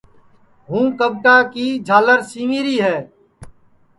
ہوں کٻٹا کی جُھول سیوری